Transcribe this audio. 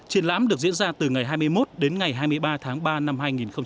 triển lãm được diễn ra từ ngày hai mươi một đến ngày hai mươi ba tháng ba năm hai nghìn hai mươi